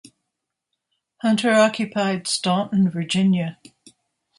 Hunter occupied Staunton, Virginia.